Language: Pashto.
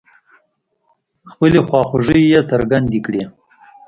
خپلې خواخوږۍ يې څرګندې کړې.